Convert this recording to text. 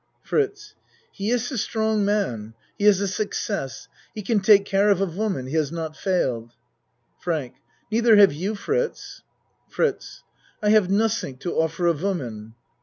FRITZ He iss a strong man he iss a success. He can take care of a woman he has not failed. FRANK Neither have you, Fritz. FRITZ I haf nodding to offer a woman.